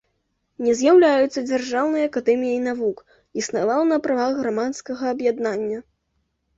Не з'яўляецца дзяржаўнай акадэміяй навук, існавала на правах грамадскага аб'яднання.